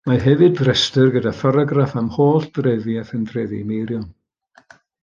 Mae hefyd restr gyda pharagraff am holl drefi a phentrefi Meirion.